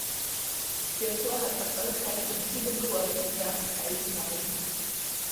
Der Chor hat erfolgreich an vielen Chorwettbewerben teilgenommen.